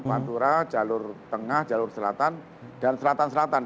pantura jalur tengah jalur selatan dan selatan selatan